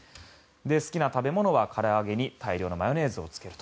好きな食べ物はから揚げに大量のマヨネーズをつけると。